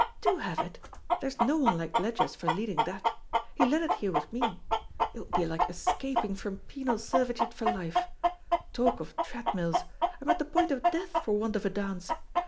Do have it. There's no one like Ledgers for leading that. He led it here with me. It will be like escaping from penal servitude for life. Talk of treadmills! I'm at the point of death for want of a dance.